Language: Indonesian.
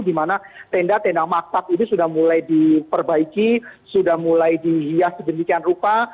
dimana tenda tenda maksat ini sudah mulai diperbaiki sudah mulai dihias sejenis rupa